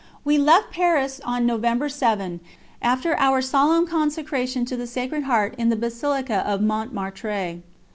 We left Paris on November 7, after our solemn Consecration to the Sacred Heart in the Basilica of Montmartre.